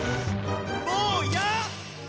もう嫌！